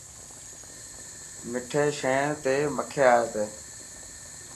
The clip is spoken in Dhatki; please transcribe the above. مٺي شين تي مکي اي تي.